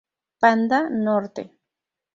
Panda norte.